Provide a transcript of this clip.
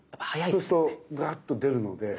そうするとザーッと出るので。